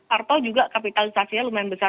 atau juga kapitalisasinya lumayan besar